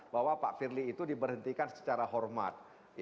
bahwa pak firly itu diberhentikan secara hormat